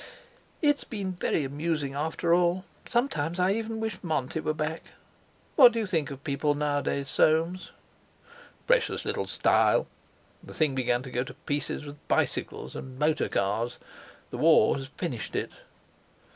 "It's been very amusing, after all. Sometimes I even wish Monty was back. What do you think of people nowadays, Soames?" "Precious little style. The thing began to go to pieces with bicycles and motor cars; the War has finished it."